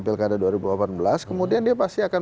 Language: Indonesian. pilkada dua ribu delapan belas kemudian dia pasti akan